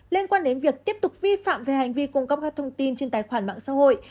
liên quan đến việc tiếp tục vi phạm về hành vi cung cấp các thông tin trên tài khoản mạng xã hội